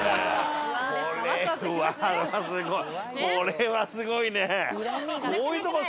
これはすごいね。